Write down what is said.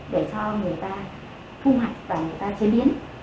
để cho người ta thu hoạch và người ta chế biến